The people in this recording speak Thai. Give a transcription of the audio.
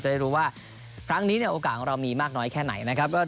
ได้รู้ว่าครั้งนี้เนี่ยโอกาสของเรามีมากน้อยแค่ไหนนะครับ